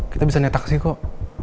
kita bisa naik taksi kok